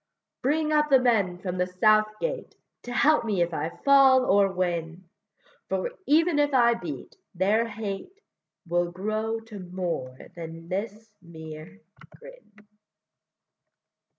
Bring up the men from the south gate, To help me if I fall or win, For even if I beat, their hate Will grow to more than this mere grin.